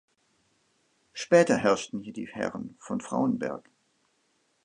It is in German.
Später herrschten hier die Herren von Fraunberg.